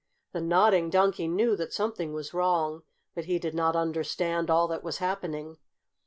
The Nodding Donkey knew that something was wrong, but he did not understand all that was happening.